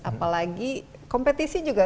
apalagi kompetisi juga